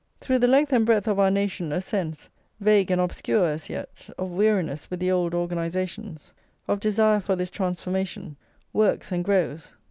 Through the length and breadth of our nation a sense, vague and obscure as yet, of weariness with the old organisations, of desire for this transformation, works and grows.